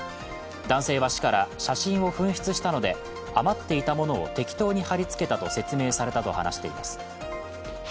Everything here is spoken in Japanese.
男性は市から写真を紛失したので余っていたものを適当に貼り付けたと説明されたと話しています。